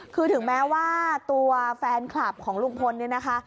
คือถึงแม้ว่าตัวแฟนคลับของลุงพลเนี่ยนะคะ